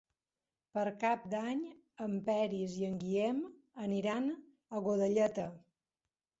Per Cap d'Any en Peris i en Guillem aniran a Godelleta.